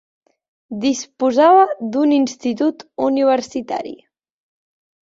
Disposava d'un institut universitari.